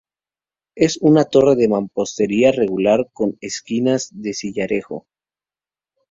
Es una torre de mampostería regular con esquinas de sillarejo.